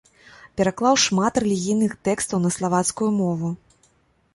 Пераклаў шмат рэлігійных тэкстаў на славацкую мову.